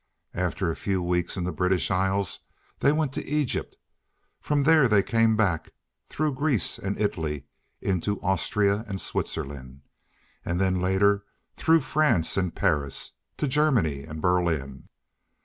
After a few weeks in the British Isles they went to Egypt. From there they came back, through Greece and Italy, into Austria and Switzerland, and then later, through France and Paris, to Germany and Berlin.